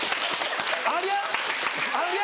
ありゃ？